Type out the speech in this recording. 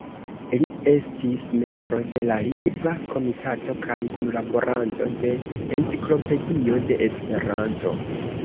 Li estis membro de la Lingva Komitato kaj kunlaboranto de "Enciklopedio de Esperanto".